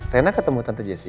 rena ketemu tanyan jesse